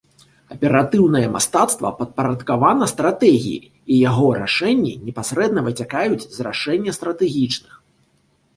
Аператыўнае мастацтва падпарадкавана стратэгіі і яго рашэнні непасрэдна выцякаюць з рашэння стратэгічных.